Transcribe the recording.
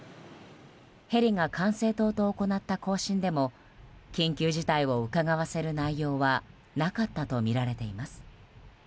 ヘリが管制塔と行った交信でも緊急事態をうかがわせる内容はなかったとみられています。